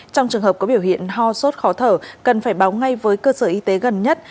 trong trường hợp có biểu hiện ho sốt khó thở cần phải báo ngay với cơ sở y tế gần nhất